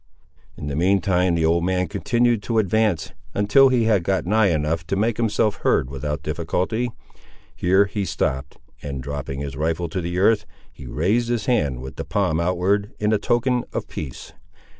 In the mean time the old man continued to advance, until he had got nigh enough to make himself heard without difficulty. Here he stopped, and dropping his rifle to the earth, he raised his hand with the palm outward, in token of peace.